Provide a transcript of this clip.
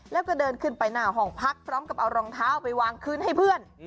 แล้วก็เดินขึ้นไปหน้าห้องพักพร้อมกับเอารองเท้าไปวางคืนให้เพื่อน